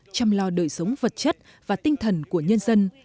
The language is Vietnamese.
chăm lo đời sống vật chất và tinh thần của nhân dân